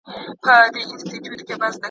د سیاست پر علمي والي به بحثونه وسي.